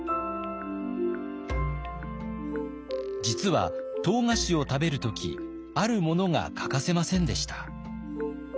実は唐菓子を食べる時あるものが欠かせませんでした。